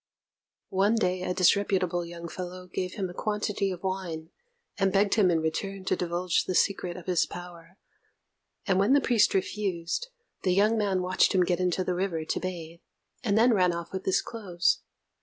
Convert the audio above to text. One day a disreputable young fellow gave him a quantity of wine, and begged him in return to divulge the secret of his power; and when the priest refused, the young man watched him get into the river to bathe, and then ran off with his clothes.